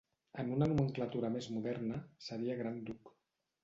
En una nomenclatura més moderna seria Gran Duc.